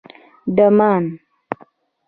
_ډمان